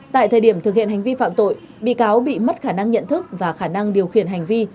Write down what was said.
tại thời điểm thực hiện hành vi phạm tội bị cáo bị mất khả năng nhận thức và khả năng điều khiển hành vi